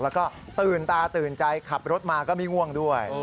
แล้วก็ตื่นตาตื่นใจขับรถมาก็ไม่ง่วงด้วย